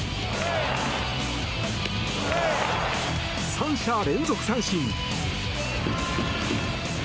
３者連続三振。